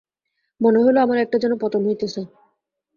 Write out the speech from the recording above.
মনে হইল আমার একটা যেন পতন হইতেছে।